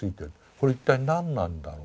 これ一体何なんだろう。